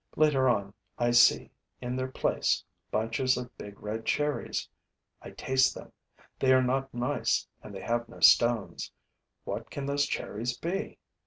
Later on, I see, in their place, bunches of big red cherries. I taste them. They are not nice and they have no stones. What can those cherries be?